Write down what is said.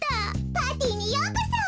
パーティーにようこそ！